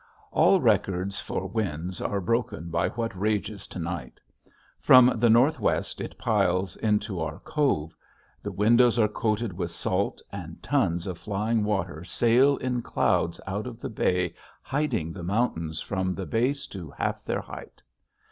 All records for winds are broken by what rages to night. From the northwest it piles into our cove. The windows are coated with salt, and tons of flying water sail in clouds out of the bay hiding the mountains from the base to half their height.